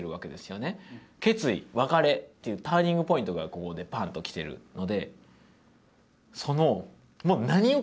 決意別れっていうターニングポイントがここでパンと来てるので。